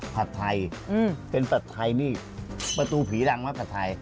ผัดไทยเป็นผัดไทยนี่ประตูผีรังมักผัดไทย